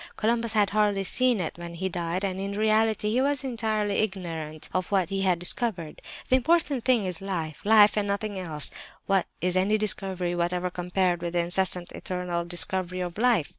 Columbus had hardly seen it when he died, and in reality he was entirely ignorant of what he had discovered. The important thing is life—life and nothing else! What is any 'discovery' whatever compared with the incessant, eternal discovery of life?